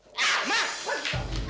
gak gendy gak mau pergi